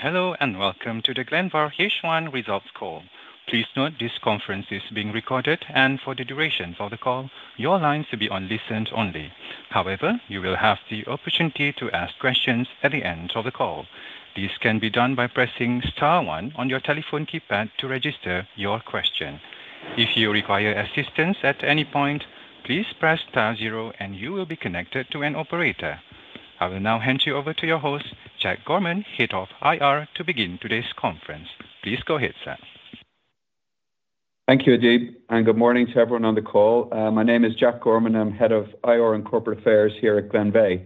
Hello, and welcome to the Glenveagh H1 results call. Please note, this conference is being recorded, and for the duration of the call, your lines will be on listen only. However, you will have the opportunity to ask questions at the end of the call. This can be done by pressing star one on your telephone keypad to register your question. If you require assistance at any point, please press star zero and you will be connected to an operator. I will now hand you over to your host, Jack Gorman, Head of IR, to begin today's conference. Please go ahead, sir. Thank you, Adeeb, and good morning to everyone on the call. My name is Jack Gorman. I'm Head of IR and Corporate Affairs here at Glenveagh.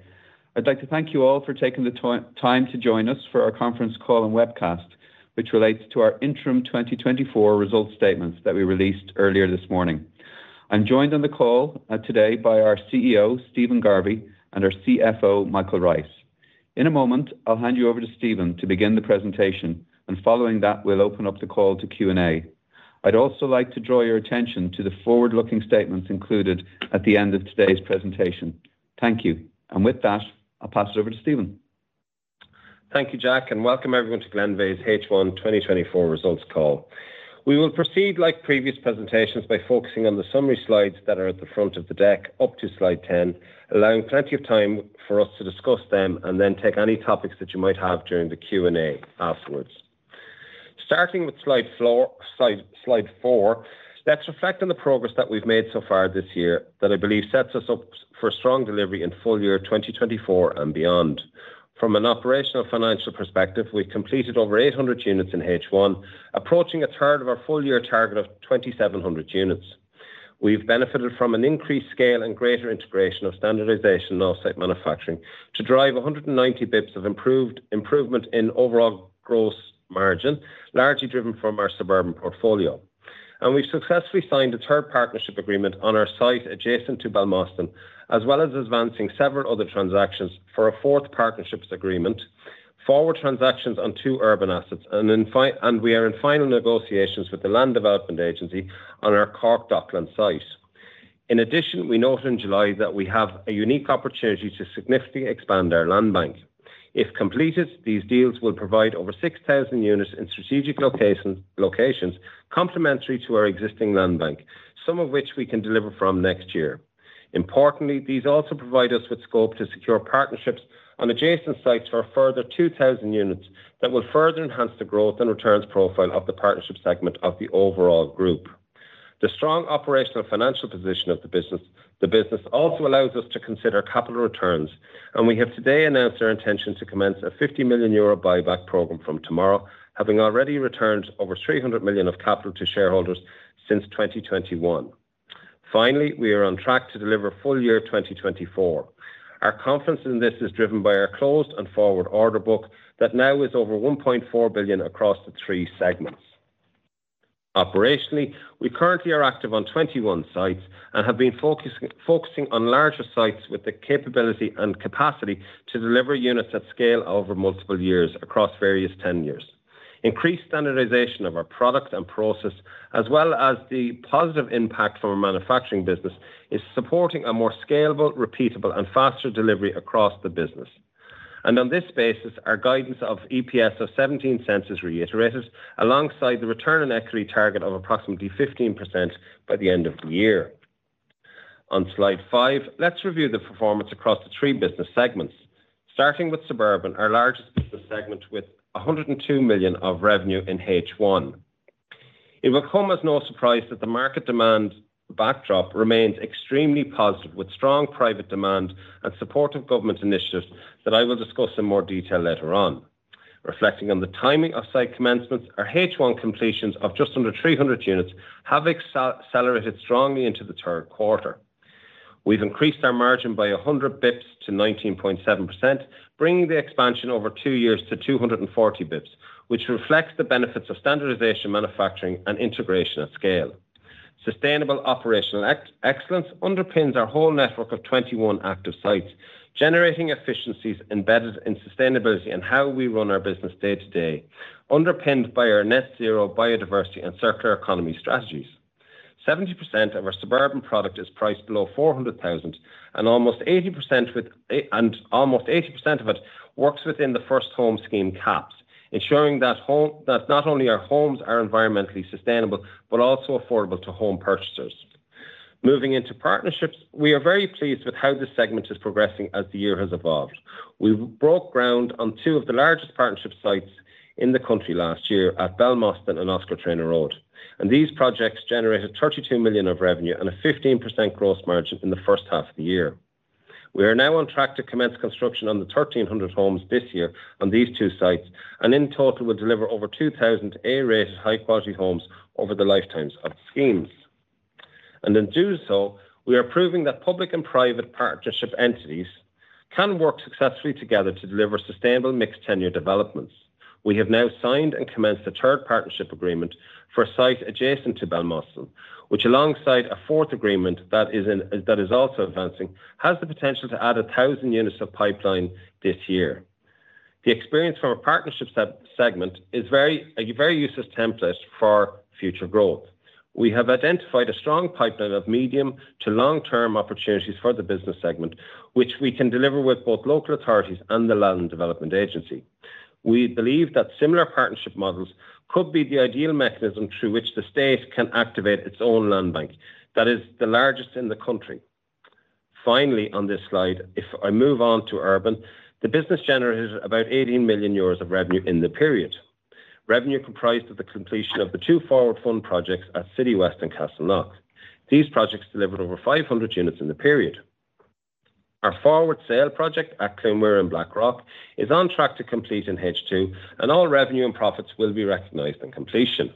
I'd like to thank you all for taking the time to join us for our conference call and webcast, which relates to our interim 2024 result statements that we released earlier this morning. I'm joined on the call today by our CEO, Stephen Garvey, and our CFO, Michael Rice. In a moment, I'll hand you over to Stephen to begin the presentation, and following that, we'll open up the call to Q&A. I'd also like to draw your attention to the forward-looking statements included at the end of today's presentation. Thank you. And with that, I'll pass it over to Stephen. Thank you, Jack, and welcome everyone to Glenveagh's H1 2024 results call. We will proceed like previous presentations by focusing on the summary slides that are at the front of the deck, up to slide 10, allowing plenty of time for us to discuss them and then take any topics that you might have during the Q&A afterwards. Starting with slide four, let's reflect on the progress that we've made so far this year that I believe sets us up for strong delivery in full year 2024 and beyond. From an operational financial perspective, we've completed over 800 units in H1, approaching a third of our full year target of 2,700 units. We've benefited from an increased scale and greater integration of standardization and off-site manufacturing to drive 190 basis points of improvement in overall gross margin, largely driven from our suburban portfolio. We've successfully signed a third partnership agreement on our site adjacent to Ballymastone, as well as advancing several other transactions for a fourth partnership agreement, forward transactions on two urban assets, and we are in final negotiations with the Land Development Agency on our Cork Docklands site. In addition, we noted in July that we have a unique opportunity to significantly expand our land bank. If completed, these deals will provide over 6,000 units in strategic locations complementary to our existing land bank, some of which we can deliver from next year. Importantly, these also provide us with scope to secure partnerships on adjacent sites for a further 2,000 units that will further enhance the growth and returns profile of the partnership segment of the overall group. The strong operational financial position of the business. The business also allows us to consider capital returns, and we have today announced our intention to commence a 50 million euro buyback program from tomorrow, having already returned over 300 million of capital to shareholders since 2021. Finally, we are on track to deliver full year 2024. Our confidence in this is driven by our closed and forward order book that now is over 1.4 billion across the three segments. Operationally, we currently are active on 21 sites and have been focusing on larger sites with the capability and capacity to deliver units at scale over multiple years across various tenures. Increased standardization of our product and process, as well as the positive impact from our manufacturing business, is supporting a more scalable, repeatable, and faster delivery across the business, and on this basis, our guidance of EPS of 0.17 is reiterated, alongside the return on equity target of approximately 15% by the end of the year. On slide five, let's review the performance across the three business segments. Starting with Suburban, our largest business segment, with 102 million of revenue in H1. It will come as no surprise that the market demand backdrop remains extremely positive, with strong private demand and supportive government initiatives that I will discuss in more detail later on. Reflecting on the timing of site commencements, our H1 completions of just under 300 units have accelerated strongly into the third quarter. We've increased our margin by 100 basis points to 19.7%, bringing the expansion over two years to 240 basis points, which reflects the benefits of standardization, manufacturing, and integration at scale. Sustainable operational excellence underpins our whole network of 21 active sites, generating efficiencies embedded in sustainability and how we run our business day-to-day, underpinned by our net zero biodiversity and circular economy strategies. 70% of our suburban product is priced below 400,000, and almost 80% of it works within the First Home Scheme caps, ensuring that not only our homes are environmentally sustainable, but also affordable to home purchasers. Moving into partnerships, we are very pleased with how this segment is progressing as the year has evolved. We've broke ground on two of the largest partnership sites in the country last year at Ballymastone and Oscar Traynor Road, and these projects generated 32 million of revenue and a 15% gross margin in the first half of the year. We are now on track to commence construction on the 1,300 homes this year on these two sites, and in total, will deliver over 2,000 A-rated, high-quality homes over the lifetimes of the schemes. In doing so, we are proving that public and private partnership entities can work successfully together to deliver sustainable mixed tenure developments. We have now signed and commenced a third partnership agreement for a site adjacent to Ballymastone, which, alongside a fourth agreement that is also advancing, has the potential to add a thousand units of pipeline this year. The experience from our partnership segment is a very useful template for future growth. We have identified a strong pipeline of medium to long-term opportunities for the business segment, which we can deliver with both local authorities and the Land Development Agency. We believe that similar partnership models could be the ideal mechanism through which the state can activate its own land bank. That is the largest in the country. Finally, on this slide, if I move on to urban, the business generated about 18 million euros of revenue in the period. Revenue comprised of the completion of the two forward fund projects at Citywest and Castleknock. These projects delivered over 500 units in the period. Our forward sale project at Clonmara and Blackrock is on track to complete in H2, and all revenue and profits will be recognized on completion.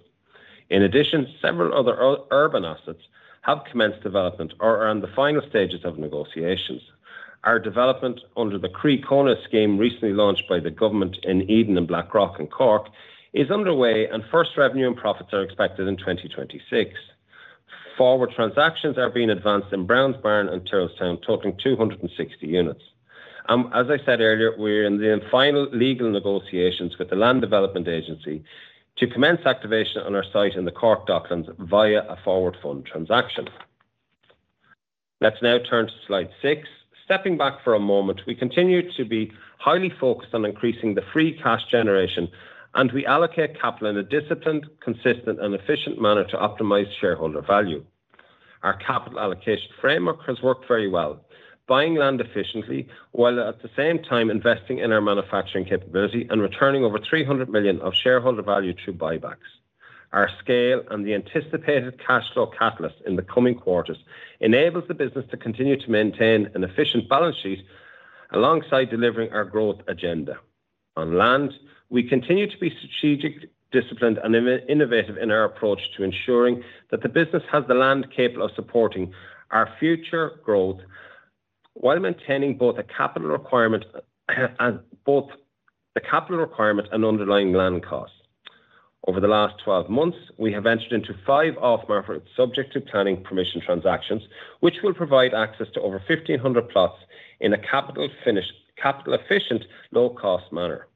In addition, several other urban assets have commenced development or are on the final stages of negotiations. Our development under the Croí Cónaí scheme, recently launched by the government in Eden and Blackrock and Cork, is underway, and first revenue and profits are expected in 2026. Forward transactions are being advanced in Brownsbarn and Tyrrelstown, totaling 260 units. As I said earlier, we're in the final legal negotiations with the Land Development Agency to commence activation on our site in the Cork Docklands via a forward fund transaction. Let's now turn to slide six. Stepping back for a moment, we continue to be highly focused on increasing the free cash generation, and we allocate capital in a disciplined, consistent, and efficient manner to optimize shareholder value. Our capital allocation framework has worked very well, buying land efficiently, while at the same time investing in our manufacturing capability and returning over three hundred million of shareholder value through buybacks. Our scale and the anticipated cash flow catalyst in the coming quarters enables the business to continue to maintain an efficient balance sheet alongside delivering our growth agenda. On land, we continue to be strategically disciplined and innovative in our approach to ensuring that the business has the land capable of supporting our future growth, while maintaining both the capital requirement and underlying land costs. Over the last 12 months, we have entered into five off-market, subject to planning permission transactions, which will provide access to over 1,500 plots in a capital efficient, low-cost manner.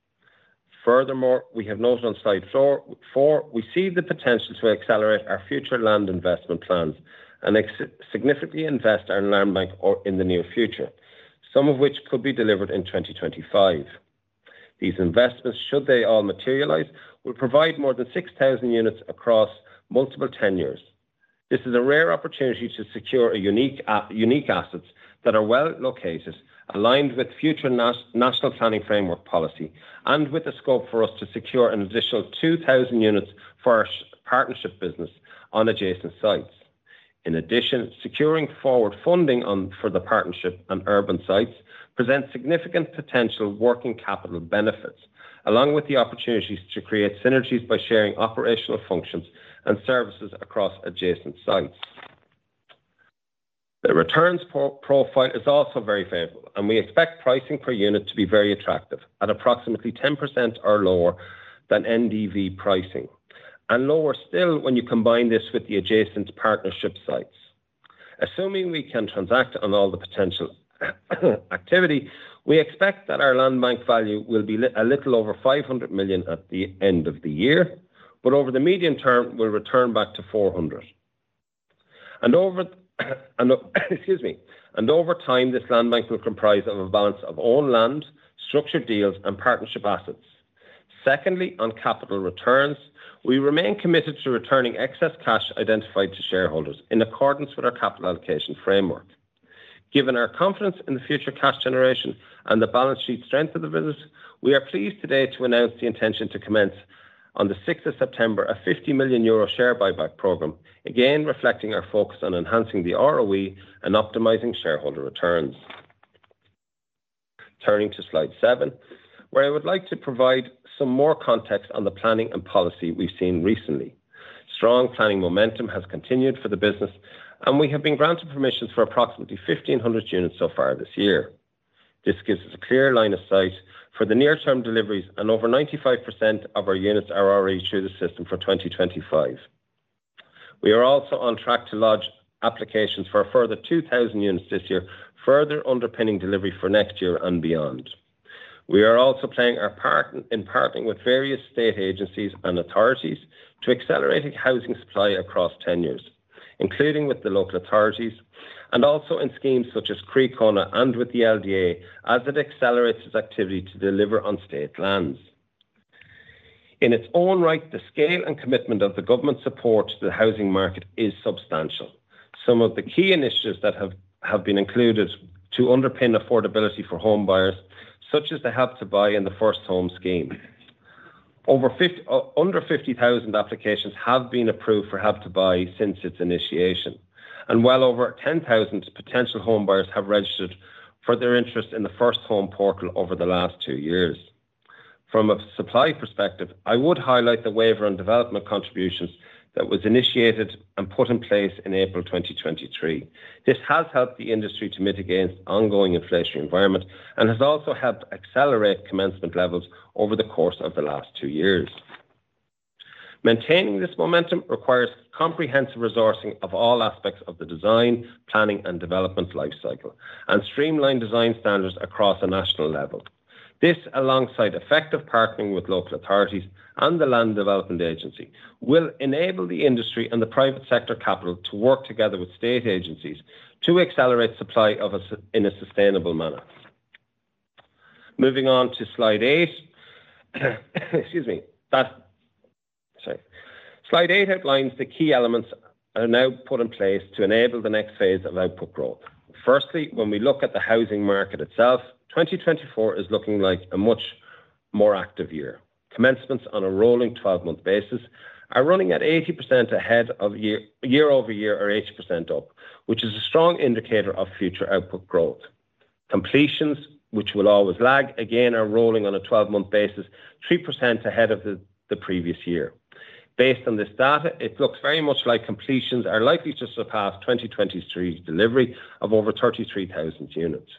Furthermore, we have noted on slide four, we see the potential to accelerate our future land investment plans and significantly invest in our land bank in the near future, some of which could be delivered in 2025. These investments, should they all materialize, will provide more than 6,000 units across multiple tenures. This is a rare opportunity to secure a unique assets that are well located, aligned with future National Planning Framework policy, and with the scope for us to secure an additional 2,000 units for our partnership business on adjacent sites. In addition, securing forward funding on, for the partnership on urban sites presents significant potential working capital benefits, along with the opportunities to create synergies by sharing operational functions and services across adjacent sites. The returns profile is also very favorable, and we expect pricing per unit to be very attractive at approximately 10% or lower than NDV pricing, and lower still when you combine this with the adjacent partnership sites. Assuming we can transact on all the potential activity, we expect that our land bank value will be a little over 500 million at the end of the year, but over the medium term will return back to 400 million. Over time, this land bank will comprise of a balance of owned land, structured deals, and partnership assets. Secondly, on capital returns, we remain committed to returning excess cash identified to shareholders in accordance with our capital allocation framework. Given our confidence in the future cash generation and the balance sheet strength of the business, we are pleased today to announce the intention to commence on the 6 September, a 50 million euro share buyback program, again, reflecting our focus on enhancing the ROE and optimizing shareholder returns. Turning to slide seven, where I would like to provide some more context on the planning and policy we've seen recently. Strong planning momentum has continued for the business, and we have been granted permissions for approximately 1,500 units so far this year. This gives us a clear line of sight for the near-term deliveries, and over 95% of our units are already through the system for 2025. We are also on track to lodge applications for a further 2,000 units this year, further underpinning delivery for next year and beyond. We are also playing our part in partnering with various state agencies and authorities to accelerate housing supply across tenures, including with the local authorities and also in schemes such as Croí Cónaí and with the LDA, as it accelerates its activity to deliver on state lands. In its own right, the scale and commitment of the government support to the housing market is substantial. Some of the key initiatives that have been included to underpin affordability for home buyers, such as the Help to Buy and the First Home Scheme. Over 50,000 applications have been approved for Help to Buy since its initiation, and well over 10,000 potential homebuyers have registered for their interest in the First Home Portal over the last two years. From a supply perspective, I would highlight the waiver on development contributions that was initiated and put in place in April 2023. This has helped the industry to mitigate ongoing inflationary environment and has also helped accelerate commencement levels over the course of the last two years. Maintaining this momentum requires comprehensive resourcing of all aspects of the design, planning, and development lifecycle, and streamlined design standards across a national level. This, alongside effective partnering with local authorities and the Land Development Agency, will enable the industry and the private sector capital to work together with state agencies to accelerate supply in a sustainable manner. Moving on to slide eight. Excuse me. Slide eight outlines the key elements are now put in place to enable the next phase of output growth. Firstly, when we look at the housing market itself, 2024 is looking like a much more active year. Commencements on a rolling 12-month basis are running at 80% ahead of year, year-over-year or 80% up, which is a strong indicator of future output growth. Completions, which will always lag, again, are rolling on a 12-month basis, 3% ahead of the previous year. Based on this data, it looks very much like completions are likely to surpass 2023's delivery of over 33,000 units.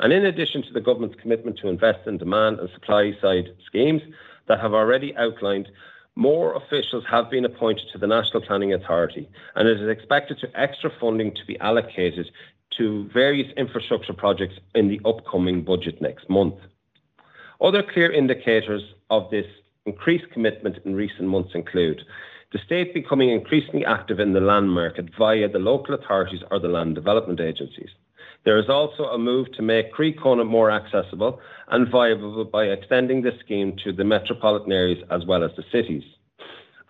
And in addition to the government's commitment to invest in demand and supply side schemes that have already outlined, more officials have been appointed to the National Planning Authority, and it is expected to extra funding to be allocated to various infrastructure projects in the upcoming budget next month. Other clear indicators of this increased commitment in recent months include: the state becoming increasingly active in the land market via the local authorities or the land development agencies. There is also a move to make Croí Cónaí more accessible and viable by extending the scheme to the metropolitan areas as well as the cities.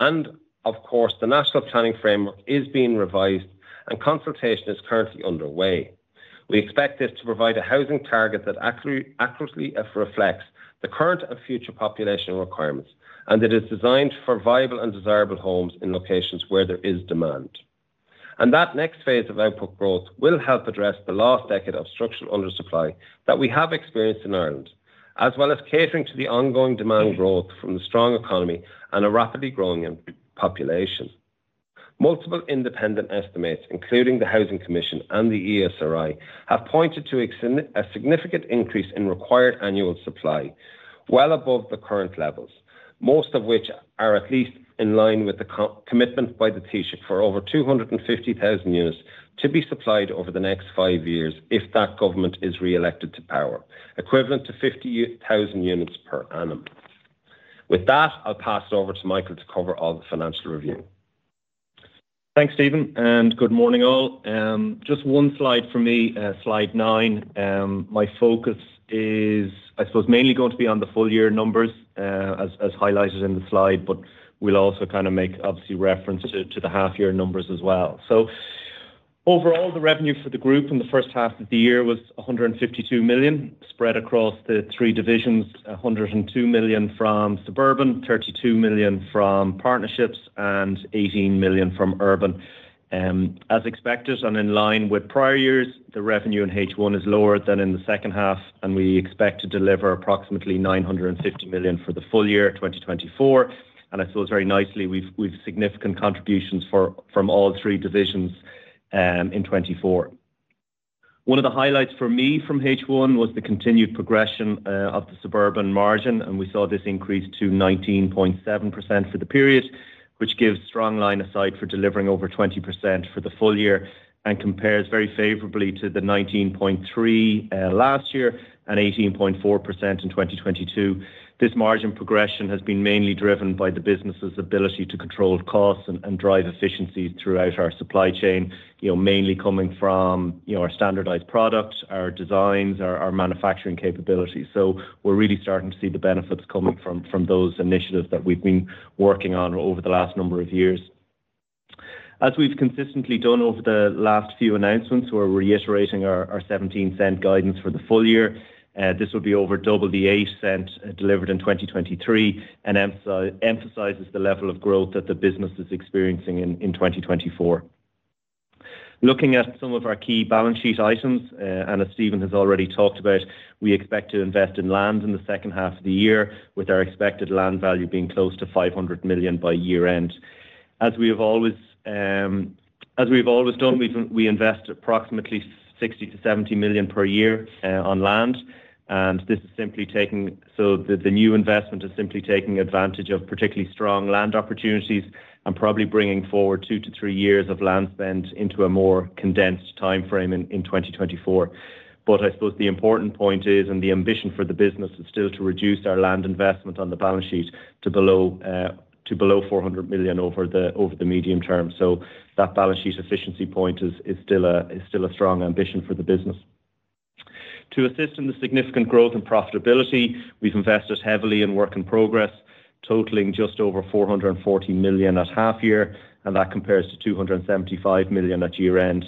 And of course, the National Planning Framework is being revised, and consultation is currently underway. We expect this to provide a housing target that accurately reflects the current and future population requirements, and it is designed for viable and desirable homes in locations where there is demand. That next phase of output growth will help address the last decade of structural undersupply that we have experienced in Ireland, as well as catering to the ongoing demand growth from the strong economy and a rapidly growing population. Multiple independent estimates, including the Housing Commission and the ESRI, have pointed to a significant increase in required annual supply, well above the current levels, most of which are at least in line with the commitment by the Taoiseach for over 250,000 units to be supplied over the next five years if that government is reelected to power, equivalent to 50,000 units per annum. With that, I'll pass it over to Michael to cover all the financial review. Thanks, Stephen, and good morning, all. Just one slide for me, slide nine. My focus is, I suppose, mainly going to be on the full year numbers, as highlighted in the slide, but we'll also kind of make obviously reference to the half year numbers as well. So overall, the revenue for the group in the first half of the year was 152 million, spread across the three divisions, 102 million from suburban, 32 million from partnerships, and 18 million from urban. As expected, and in line with prior years, the revenue in H1 is lower than in the second half, and we expect to deliver approximately 950 million for the full year, 2024. I suppose very nicely, we've significant contributions from all three divisions in 2024. One of the highlights for me from H1 was the continued progression of the suburban margin, and we saw this increase to 19.7% for the period, which gives strong line of sight for delivering over 20% for the full year and compares very favorably to the 19.3% last year and 18.4% in 2022. This margin progression has been mainly driven by the business's ability to control costs and drive efficiencies throughout our supply chain, you know, mainly coming from our standardized products, our designs, our manufacturing capabilities. So we're really starting to see the benefits coming from those initiatives that we've been working on over the last number of years. As we've consistently done over the last few announcements, we're reiterating our 0.17 guidance for the full year. This will be over double the 0.08 delivered in 2023 and emphasizes the level of growth that the business is experiencing in 2024. Looking at some of our key balance sheet items, and as Stephen has already talked about, we expect to invest in land in the second half of the year, with our expected land value being close to 500 million by year-end. As we've always done, we invest approximately 60-70 million per year on land, and this is simply the new investment taking advantage of particularly strong land opportunities and probably bringing forward two to three years of land spend into a more condensed timeframe in 2024. But I suppose the important point is, and the ambition for the business, is still to reduce our land investment on the balance sheet to below 400 million over the medium term. So that balance sheet efficiency point is still a strong ambition for the business. To assist in the significant growth and profitability, we've invested heavily in work in progress, totaling just over 440 million at half year, and that compares to 275 million at year-end.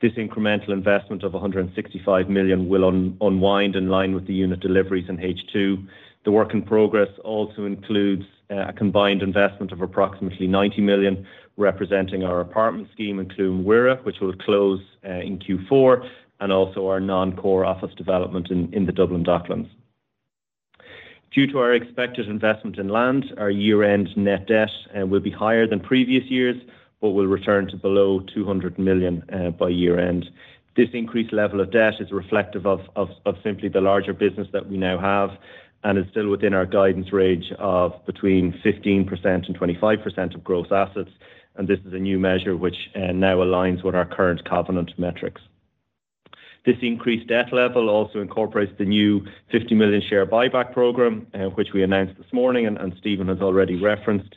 This incremental investment of 165 million will unwind in line with the unit deliveries in H2. The work in progress also includes a combined investment of approximately 90 million, representing our apartment scheme in Clonmara, which will close in Q4, and also our non-core office development in the Dublin Docklands. Due to our expected investment in land, our year-end net debt will be higher than previous years, but will return to below 200 million by year-end. This increased level of debt is reflective of simply the larger business that we now have and is still within our guidance range of between 15% and 25% of gross assets, and this is a new measure which now aligns with our current covenant metrics. This increased debt level also incorporates the new 50 million share buyback program, which we announced this morning and Stephen has already referenced.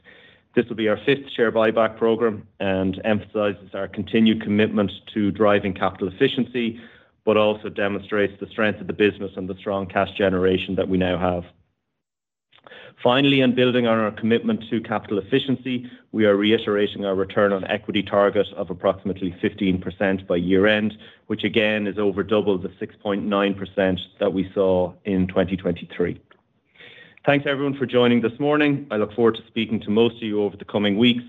This will be our fifth share buyback program, and emphasizes our continued commitment to driving capital efficiency, but also demonstrates the strength of the business and the strong cash generation that we now have. Finally, in building on our commitment to capital efficiency, we are reiterating our return on equity target of approximately 15% by year-end, which again, is over double the 6.9% that we saw in 2023. Thanks, everyone, for joining this morning. I look forward to speaking to most of you over the coming weeks,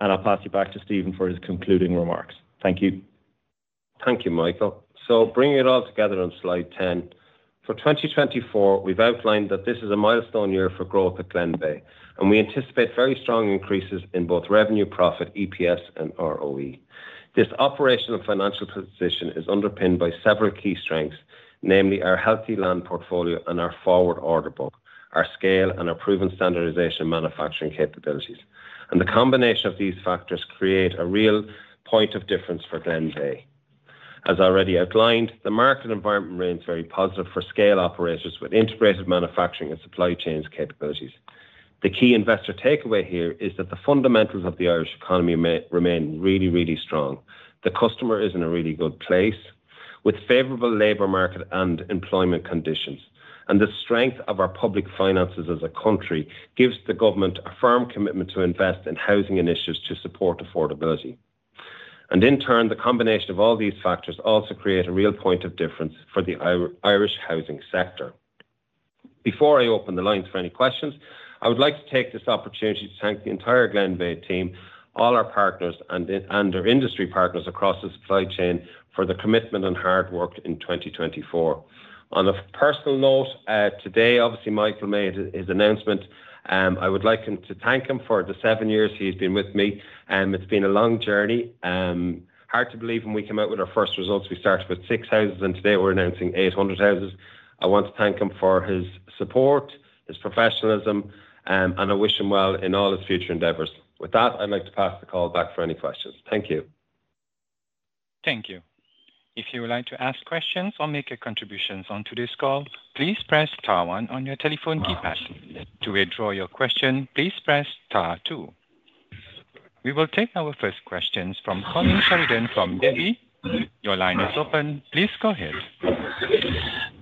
and I'll pass you back to Stephen for his concluding remarks. Thank you. Thank you, Michael, so bringing it all together on slide 10. For 2024, we've outlined that this is a milestone year for growth at Glenveagh, and we anticipate very strong increases in both revenue, profit, EPS, and ROE. This operational financial position is underpinned by several key strengths, namely our healthy land portfolio and our forward order book, our scale, and our proven standardization manufacturing capabilities, and the combination of these factors create a real point of difference for Glenveagh. As I already outlined, the market environment remains very positive for scale operators with integrated manufacturing and supply chains capabilities. The key investor takeaway here is that the fundamentals of the Irish economy may remain really, really strong. The customer is in a really good place, with favorable labor market and employment conditions. The strength of our public finances as a country gives the government a firm commitment to invest in housing initiatives to support affordability. In turn, the combination of all these factors also create a real point of difference for the Irish housing sector. Before I open the lines for any questions, I would like to take this opportunity to thank the entire Glenveagh team, all our partners and our industry partners across the supply chain for their commitment and hard work in 2024. On a personal note, today, obviously, Michael made his announcement. I would like to thank him for the seven years he's been with me. It's been a long journey. Hard to believe when we came out with our first results, we started with six houses, and today we're announcing eight hundred houses. I want to thank him for his support, his professionalism, and I wish him well in all his future endeavors. With that, I'd like to pass the call back for any questions. Thank you. Thank you. If you would like to ask questions or make your contributions on today's call, please press star one on your telephone keypad. To withdraw your question, please press star two. We will take our first questions from Colin Sheridan from Davy. Your line is open. Please go ahead.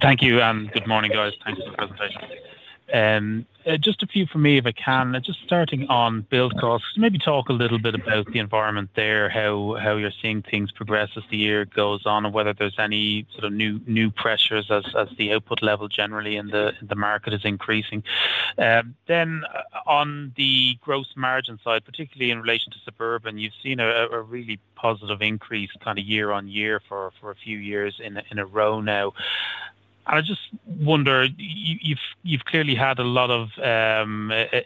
Thank you, good morning, guys. Thanks for the presentation. Just a few from me, if I can. Just starting on build costs, maybe talk a little bit about the environment there, how you're seeing things progress as the year goes on, and whether there's any sort of new pressures as the output level generally in the market is increasing. Then on the gross margin side, particularly in relation to Suburban, you've seen a really positive increase kind of year on year for a few years in a row now. I just wonder, you've clearly had a lot of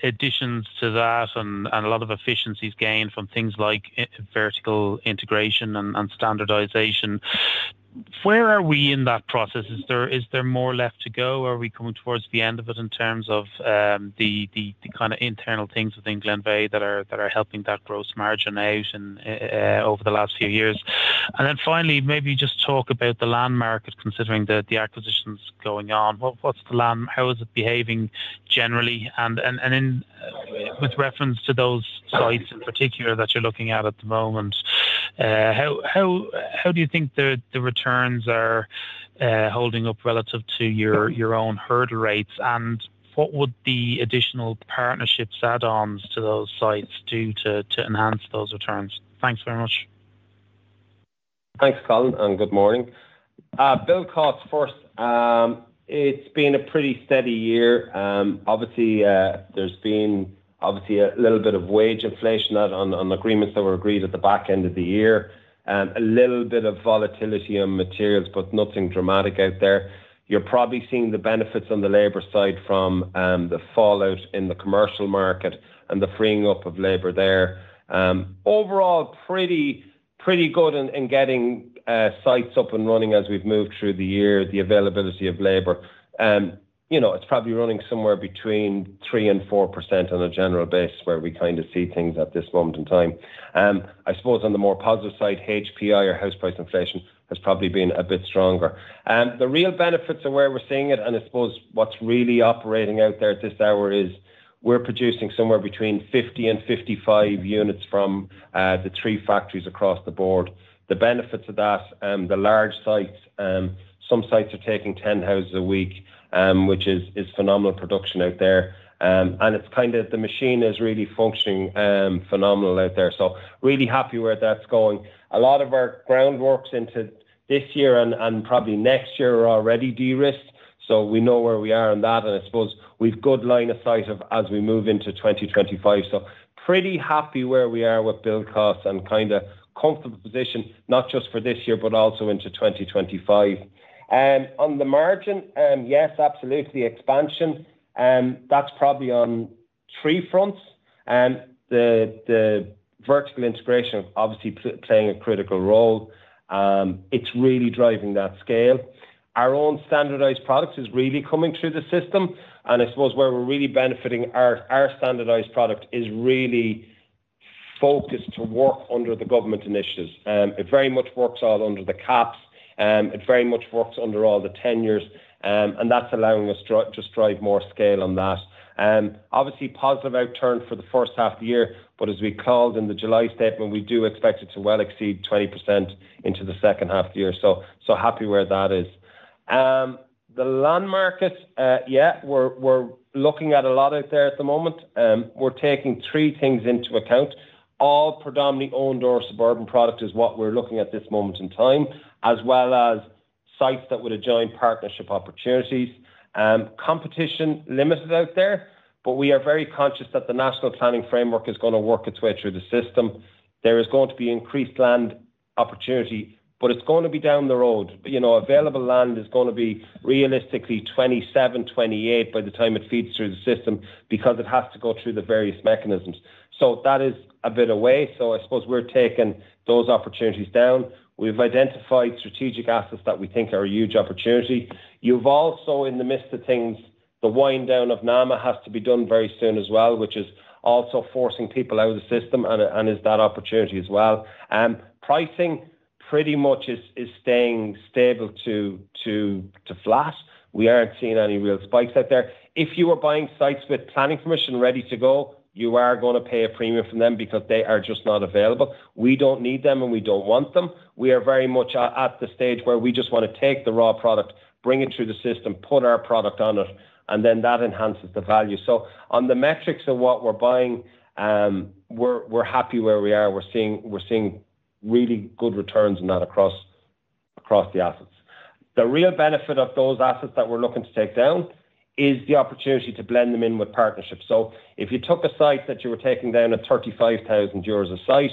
additions to that and a lot of efficiencies gained from things like vertical integration and standardization. Where are we in that process? Is there more left to go, or are we coming towards the end of it in terms of the kind of internal things within Glenveagh that are helping that gross margin out and over the last few years? And then finally, maybe just talk about the land market, considering the acquisitions going on. What's the land? How is it behaving generally? And in, with reference to those sites in particular that you're looking at the moment, how do you think the returns are holding up relative to your own hurdle rates? And what would the additional partnerships add-ons to those sites do to enhance those returns? Thanks very much. Thanks, Colin, and good morning. Build costs first. It's been a pretty steady year. Obviously, there's been a little bit of wage inflation on the agreements that were agreed at the back end of the year, a little bit of volatility on materials, but nothing dramatic out there. You're probably seeing the benefits on the labor side from the fallout in the commercial market and the freeing up of labor there. Overall, pretty good in getting sites up and running as we've moved through the year, the availability of labor. You know, it's probably running somewhere between 3% and 4% on a general basis, where we kind of see things at this moment in time. I suppose on the more positive side, HPI, or house price inflation, has probably been a bit stronger. The real benefits of where we're seeing it, and I suppose what's really operating out there at this hour, is we're producing somewhere between 50 and 55 units from the three factories across the board. The benefits of that, the large sites, some sites are taking 10 houses a week, which is phenomenal production out there. It's kind of the machine is really functioning, phenomenal out there. Really happy where that's going. A lot of our groundworks into this year and probably next year are already de-risked, so we know where we are on that, and I suppose we've good line of sight as we move into 2025. Pretty happy where we are with build costs and kind of comfortable position, not just for this year, but also into 2025. On the margin, yes, absolutely, expansion, that's probably on three fronts, the vertical integration, obviously playing a critical role. It's really driving that scale. Our own standardized products is really coming through the system, and I suppose where we're really benefiting our standardized product is really focused to work under the government initiatives. It very much works out under the caps, it very much works under all the tenures, and that's allowing us to drive more scale on that. Obviously, positive outturn for the first half of the year, but as we called in the July statement, we do expect it to well exceed 20% into the second half of the year. So, happy where that is. The land market, yeah, we're looking at a lot out there at the moment. We're taking three things into account. All predominantly owned or suburban product is what we're looking at this moment in time, as well as sites that would adjoin partnership opportunities. Competition limited out there, but we are very conscious that the National Planning Framework is gonna work its way through the system. There is going to be increased land opportunity, but it's going to be down the road. You know, available land is gonna be realistically 2027, 2028 by the time it feeds through the system, because it has to go through the various mechanisms. So that is a bit away. So I suppose we're taking those opportunities down. We've identified strategic assets that we think are a huge opportunity. You've also, in the midst of things, the wind down of NAMA has to be done very soon as well, which is also forcing people out of the system and is that opportunity as well. Pricing pretty much is staying stable to flat. We aren't seeing any real spikes out there. If you are buying sites with planning permission ready to go, you are gonna pay a premium for them because they are just not available. We don't need them, and we don't want them. We are very much at the stage where we just want to take the raw product, bring it through the system, put our product on it, and then that enhances the value. So on the metrics of what we're buying, we're happy where we are. We're seeing really good returns on that across the assets. The real benefit of those assets that we're looking to take down is the opportunity to blend them in with partnerships. So if you took a site that you were taking down at 35,000 euros a site,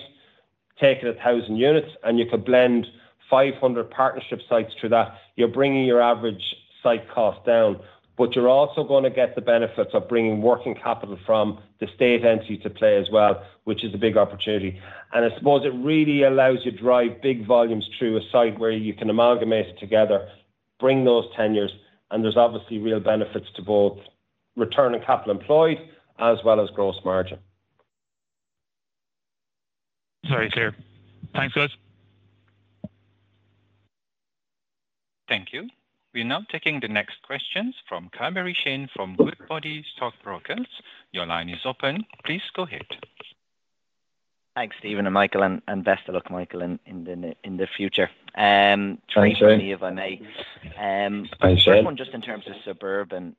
take it 1,000 units, and you could blend 500 partnership sites to that, you're bringing your average site cost down, but you're also gonna get the benefits of bringing working capital from the state entity to play as well, which is a big opportunity, and I suppose it really allows you to drive big volumes through a site where you can amalgamate it together, bring those tenures, and there's obviously real benefits to both return on capital employed as well as gross margin. Very clear. Thanks, guys. Thank you. We're now taking the next questions from Shane Carberry from Goodbody Stockbrokers. Your line is open. Please go ahead. Thanks, Stephen and Michael, and best of luck, Michael, in the future. Thanks, Shane. If I may. Thanks, Shane. First one, just in terms of suburban,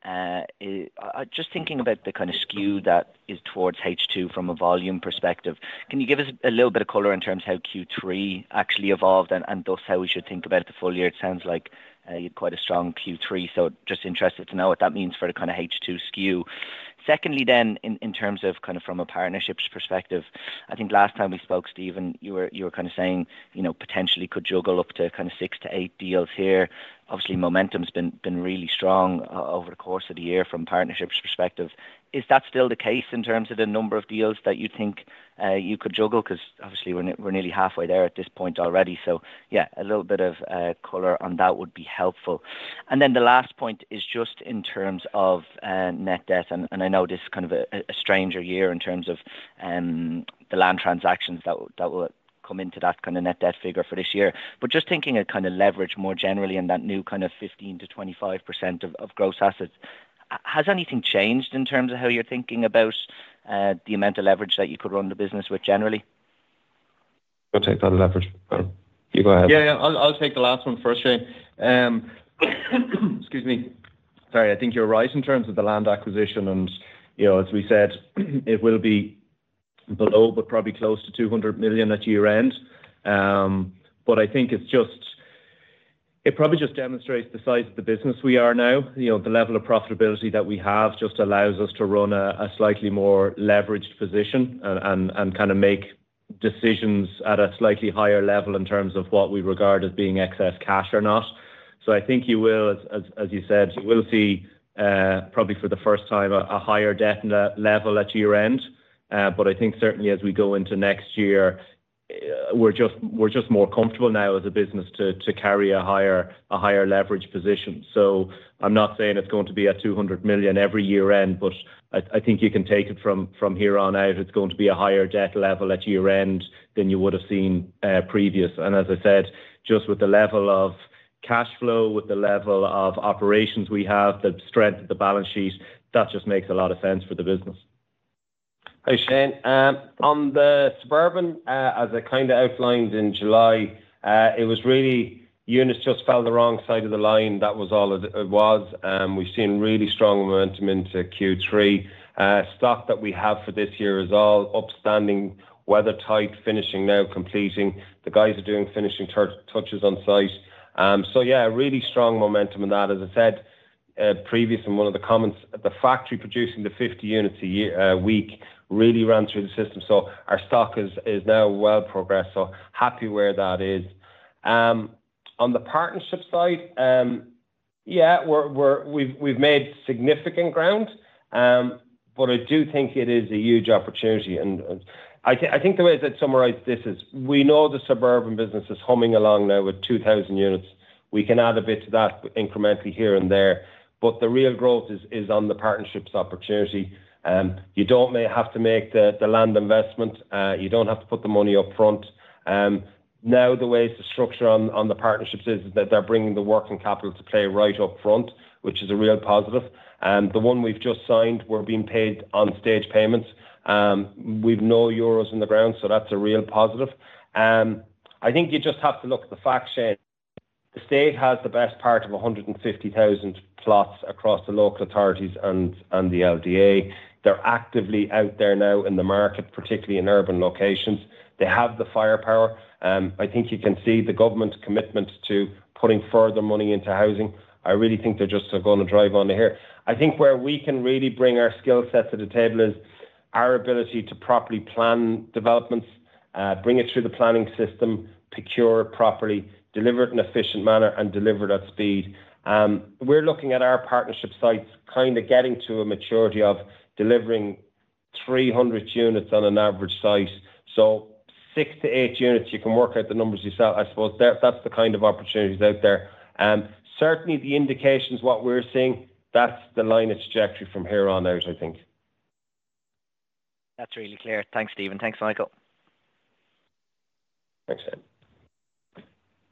just thinking about the kind of skew that is towards H2 from a volume perspective, can you give us a little bit of color in terms of how Q3 actually evolved and thus how we should think about the full year? It sounds like you had quite a strong Q3, so just interested to know what that means for the kind of H2 skew. Secondly then, in terms of kind of from a partnerships perspective, I think last time we spoke, Stephen, you were kind of saying, you know, potentially could juggle up to kind of six to eight deals here. Obviously, momentum's been really strong over the course of the year from partnerships perspective. Is that still the case in terms of the number of deals that you think you could juggle? 'Cause obviously we're nearly halfway there at this point already, so yeah, a little bit of color on that would be helpful. And then the last point is just in terms of net debt, and I know this is kind of a stranger year in terms of the land transactions that will come into that kind of net debt figure for this year. But just thinking of kind of leverage more generally in that new kind of 15%-25% of gross assets, has anything changed in terms of how you're thinking about the amount of leverage that you could run the business with generally? I'll take that leverage. You go ahead. Yeah, yeah. I'll take the last one first, Shane. Excuse me. Sorry. I think you're right in terms of the land acquisition, and, you know, as we said, it will be below, but probably close to 200 million at year-end. But I think it's just... It probably just demonstrates the size of the business we are now. You know, the level of profitability that we have just allows us to run a slightly more leveraged position and kind of make decisions at a slightly higher level in terms of what we regard as being excess cash or not. So I think you will, as you said, you will see, probably for the first time, a higher debt level at year-end. But I think certainly as we go into next year, we're just more comfortable now as a business to carry a higher leverage position. So I'm not saying it's going to be at 200 million every year-end, but I think you can take it from here on out, it's going to be a higher debt level at year-end than you would have seen previous. And as I said, just with the level of cash flow, with the level of operations we have, the strength of the balance sheet, that just makes a lot of sense for the business. Hey, Shane. On the suburban, as I kind of outlined in July, it was really units just fell the wrong side of the line. That was all it was. We've seen really strong momentum into Q3. The stock that we have for this year is all upstanding, weathertight, finishing now, completing. The guys are doing finishing touches on site. So yeah, really strong momentum in that. As I said, previous in one of the comments, the factory producing the 50 units a week really ran through the system, so our stock is now well progressed, so happy where that is. On the partnership side, yeah, we've made significant ground, but I do think it is a huge opportunity. I think the way that summarize this is, we know the suburban business is humming along now with 2000 units... we can add a bit to that incrementally here and there, but the real growth is on the partnerships opportunity. You don't have to make the land investment. You don't have to put the money up front. Now, the way the structure on the partnerships is that they're bringing the working capital into play right up front, which is a real positive. The one we've just signed, we're being paid on staged payments, with no euros in the ground, so that's a real positive. I think you just have to look at the fact sheet. The state has the best part of 150,000 plots across the local authorities and the LDA. They're actively out there now in the market, particularly in urban locations. They have the firepower. I think you can see the government's commitment to putting further money into housing. I really think they're just gonna drive on here. I think where we can really bring our skill set to the table is our ability to properly plan developments, bring it through the planning system, procure property, deliver it in an efficient manner, and deliver it at speed. We're looking at our partnership sites, kind of getting to a maturity of delivering 300 units on an average site. So six to eight units, you can work out the numbers yourself. I suppose that's the kind of opportunities out there. Certainly the indications, what we're seeing, that's the line of trajectory from here on out, I think. That's really clear. Thanks, Stephen. Thanks, Michael. Thanks.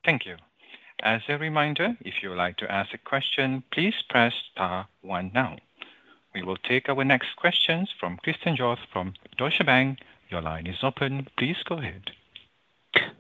Thank you. As a reminder, if you would like to ask a question, please press star one now. We will take our next questions from Christian Joannes from Deutsche Bank. Your line is open, please go ahead.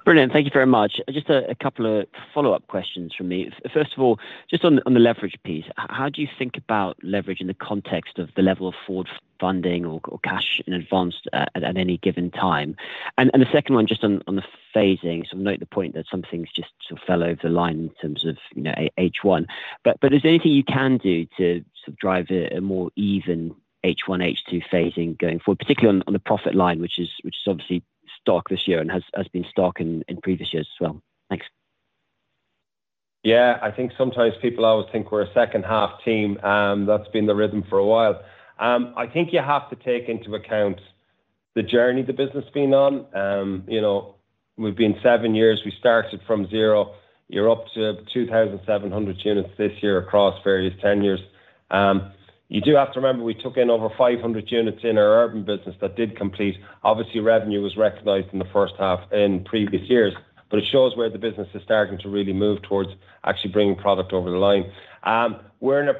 Brilliant. Thank you very much. Just a couple of follow-up questions from me. First of all, just on the leverage piece, how do you think about leverage in the context of the level of forward funding or cash in advance at any given time? And the second one, just on the phasing. So note the point that some things just sort of fell over the line in terms of, you know, H1. But is there anything you can do to sort of drive a more even H1, H2 phasing going forward, particularly on the profit line, which is obviously stock this year and has been stock in previous years as well? Thanks. Yeah, I think sometimes people always think we're a second half team, and that's been the rhythm for a while. I think you have to take into account the journey the business has been on. You know, we've been seven years. We started from zero. You're up to 2,700 units this year across various tenures. You do have to remember, we took in over 500 units in our urban business that did complete. Obviously, revenue was recognized in the first half in previous years, but it shows where the business is starting to really move towards actually bringing product over the line. We're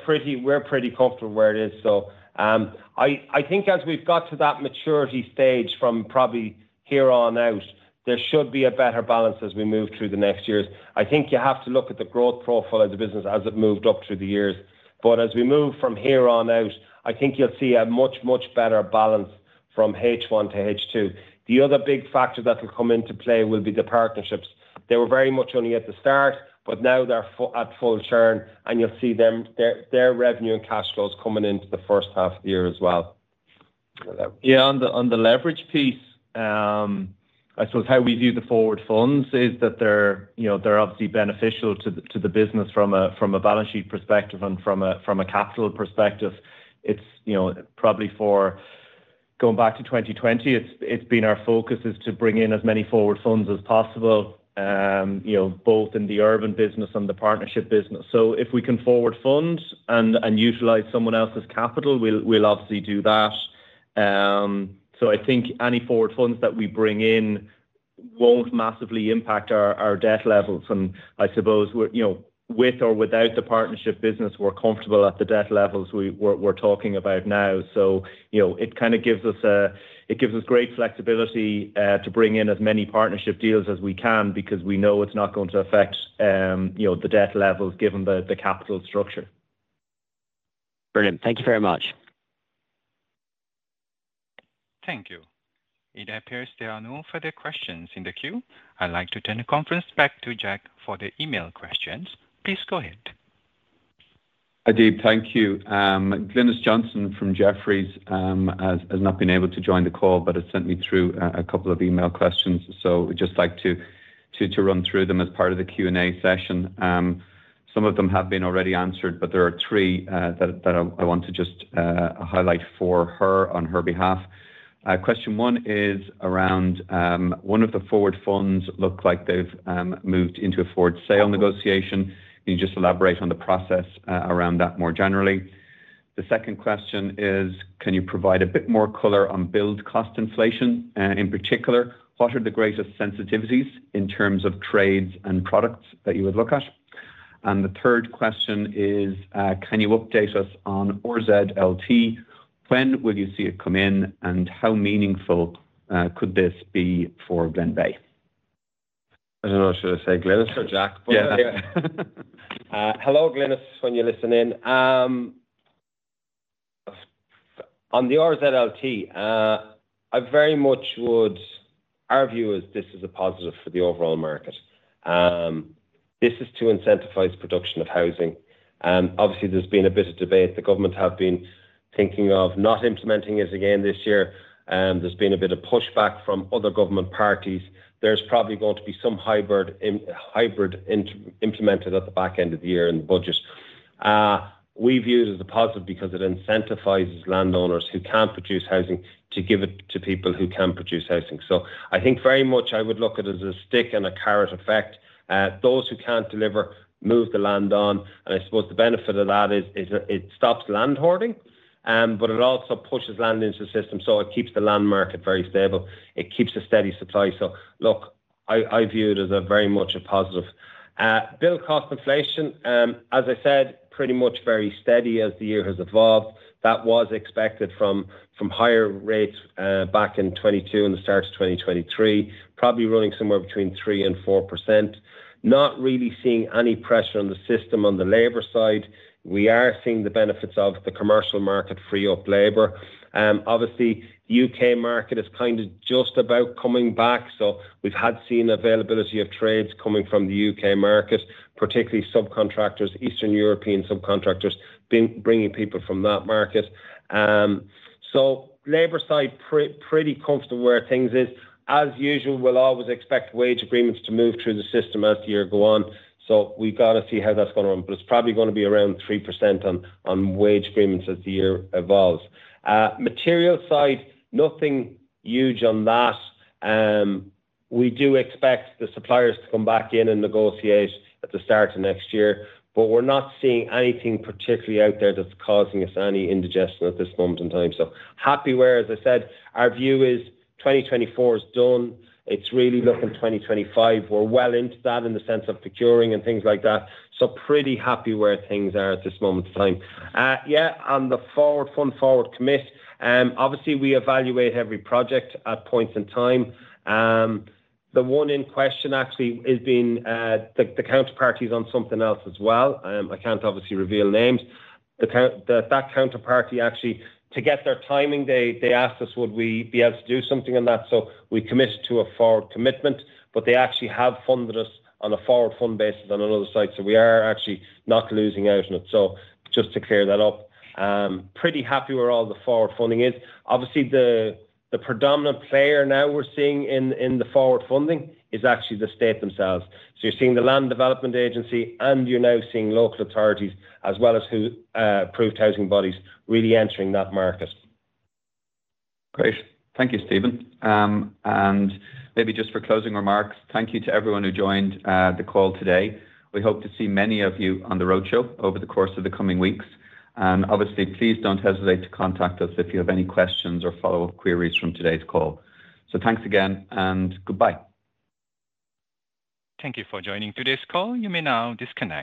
pretty comfortable where it is. So, I, I think as we've got to that maturity stage from probably here on out, there should be a better balance as we move through the next years. I think you have to look at the growth profile of the business as it moved up through the years. But as we move from here on out, I think you'll see a much, much better balance from H1 to H2. The other big factor that will come into play will be the partnerships. They were very much only at the start, but now they're at full turn, and you'll see their revenue and cash flows coming into the first half of the year as well. Yeah, on the leverage piece, I suppose how we view the forward funds is that they're, you know, they're obviously beneficial to the business from a balance sheet perspective and from a capital perspective. It's, you know, probably going back to 2020, it's been our focus to bring in as many forward funds as possible, you know, both in the urban business and the partnership business. So if we can forward fund and utilize someone else's capital, we'll obviously do that. So I think any forward funds that we bring in won't massively impact our debt levels. And I suppose we're, you know, with or without the partnership business, we're comfortable at the debt levels we're talking about now. So, you know, it kind of gives us great flexibility to bring in as many partnership deals as we can because we know it's not going to affect, you know, the debt levels given the capital structure. Brilliant. Thank you very much. Thank you. It appears there are no further questions in the queue. I'd like to turn the conference back to Jack for the email questions. Please go ahead. Adeeb, thank you. Glynis Johnson from Jefferies has not been able to join the call, but has sent me through a couple of email questions. So we'd just like to run through them as part of the Q&A session. Some of them have been already answered, but there are three that I want to just highlight for her on her behalf. Question one is around one of the forward funds look like they've moved into a forward sale negotiation. Can you just elaborate on the process around that more generally? The second question is, can you provide a bit more color on build cost inflation, and in particular, what are the greatest sensitivities in terms of trades and products that you would look at? The third question is, can you update us on RZLT? When will you see it come in, and how meaningful could this be for Glenveagh? I don't know, should I say Glynis or Jack? Yeah. Hello, Glynis, when you're listening in. On the RZLT, our view is this is a positive for the overall market. This is to incentivize production of housing, and obviously, there's been a bit of debate. The government have been thinking of not implementing it again this year, and there's been a bit of pushback from other government parties. There's probably going to be some hybrid implementation at the back end of the year in the budget. We view it as a positive because it incentivizes landowners who can't produce housing to give it to people who can produce housing. So I think very much I would look at it as a stick and a carrot effect. Those who can't deliver move the land on, and I suppose the benefit of that is that it stops land hoarding, but it also pushes land into the system, so it keeps the land market very stable. It keeps a steady supply. Look, I view it as very much a positive. Build cost inflation, as I said, pretty much very steady as the year has evolved. That was expected from higher rates back in 2022 and the start of 2023, probably running somewhere between 3% and 4%. Not really seeing any pressure on the system on the labor side. We are seeing the benefits of the commercial market free up labor. Obviously, the U.K. market is kind of just about coming back, so we've had seen availability of trades coming from the U.K. market, particularly subcontractors, Eastern European subcontractors, bringing people from that market. So labor side, pretty comfortable where things is. As usual, we'll always expect wage agreements to move through the system as the year go on, so we've got to see how that's gonna run. But it's probably gonna be around 3% on, on wage agreements as the year evolves. Material side, nothing huge on that. We do expect the suppliers to come back in and negotiate at the start of next year, but we're not seeing anything particularly out there that's causing us any indigestion at this moment in time. So happy where... As I said, our view is 2024 is done. It's really looking 2025. We're well into that in the sense of procuring and things like that, so pretty happy where things are at this moment in time. Yeah, on the forward fund, forward commit, obviously we evaluate every project at points in time. The one in question actually is being, the counterparty is on something else as well. I can't obviously reveal names. That counterparty actually, to get their timing, they asked us would we be able to do something on that, so we committed to a forward commitment. But they actually have funded us on a forward fund basis on another site, so we are actually not losing out on it. So just to clear that up. Pretty happy where all the forward funding is. Obviously, the predominant player now we're seeing in the forward funding is actually the state themselves. So you're seeing the Land Development Agency, and you're now seeing local authorities as well as approved housing bodies really entering that market. Great. Thank you, Stephen. And maybe just for closing remarks, thank you to everyone who joined the call today. We hope to see many of you on the roadshow over the course of the coming weeks. And obviously, please don't hesitate to contact us if you have any questions or follow-up queries from today's call. So thanks again, and goodbye. Thank you for joining today's call. You may now disconnect.